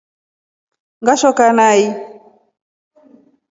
Ngashoka nai.